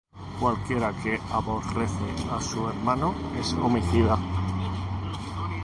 Cualquiera que aborrece á su hermano, es homicida;